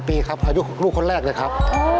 ๒๕ปีครับอายุครูคนแรกเลยครับ